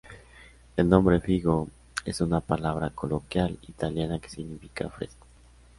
El nombre "Figo" es una palabra coloquial italiana que significa "fresco".